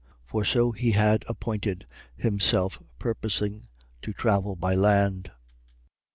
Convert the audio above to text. For so he had appointed, himself purposing to travel by land.